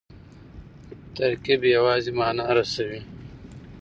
ترکیب یوازي مانا رسوي.